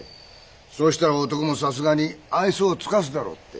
そうしたら男もさすがに愛想を尽かすだろうって。